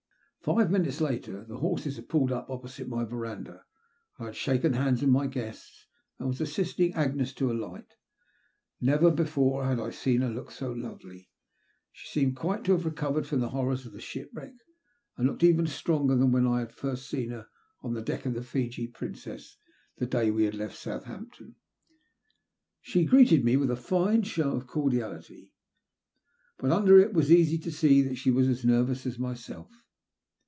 Five minutes later the horses had pulled up opposite my verandah and I had shaken hands with my guests and was assisting Agnes to ahght. Never before had I seen her look so lovely. She seemed quite to have recovered from the horrors of the shipwreck, and looked even stronger than when I had first seen her on the deck of the Fiji Princeu, the day we had left Southampton. She greeted me with a fine show of cordiality, but under it it was easy to see that she was as nervous as myself.